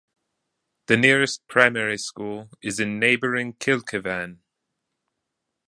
The nearest primary school is in neighbouring Kilkivan.